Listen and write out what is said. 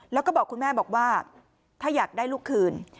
แล้วก็บอกคุณแม่บอกว่าถ้าอยากได้ลูกคืน